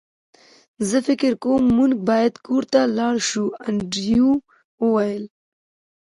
زه فکر کوم موږ باید کور ته لاړ شو انډریو وویل